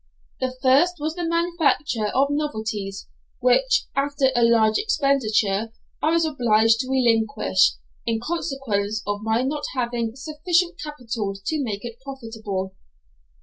The first was the manufacture of novelties, which, after a large expenditure, I was obliged to relinquish, in consequence of my not having sufficient capital to make it profitable.